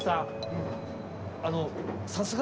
うん。